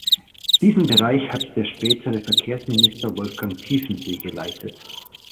Diesen Bereich hat der spätere Verkehrsminister Wolfgang Tiefensee geleitet.